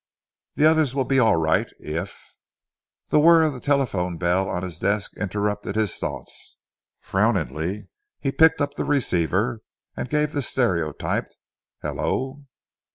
"The others will be all right, if " The whirr of the telephone bell on his desk interrupted his thoughts. Frowningly he picked up the receiver, and gave the stereotyped "Hallo!"